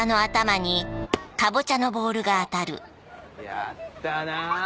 やったな！